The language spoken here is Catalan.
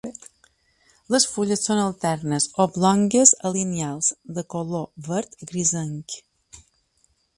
Les fulles són alternes, oblongues a lineals, de color verd grisenc.